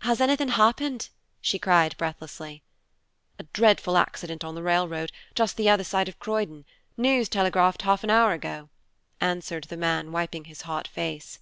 "Has anything happened?" she cried breathlessly. "A dreadful accident on the railroad, just the other side of Croydon. News telegraphed half an hour ago," answered the man, wiping his hot face.